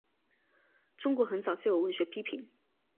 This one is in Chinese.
中国很早就有文学批评。